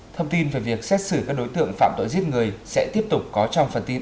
thông tin về việc xét xử các đối tượng phạm tội giết người sẽ tiếp tục có trong phần tin